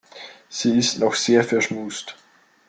Sie ist noch sehr verschmust.